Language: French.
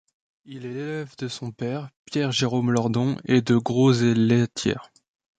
Il est l'élève de son père, Pierre-Jérôme Lordon, et de Gros et Lethière.